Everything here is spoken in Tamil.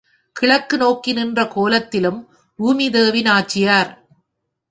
கிழக்கு நோக்கி நின்ற கோலத்திலும் பூமிதேவி நாச்சியார்.